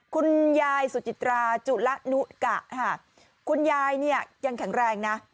คุณยายสุจิตราจุละนุกะค่ะคุณยายเนี่ยยังแข็งแรงนะ